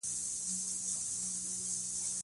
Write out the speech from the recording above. تشبيهات